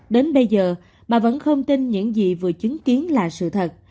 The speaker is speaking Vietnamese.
đến bây giờ bà vẫn không tin những gì vừa chứng kiến là sự thật